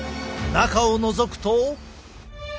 中をのぞくと。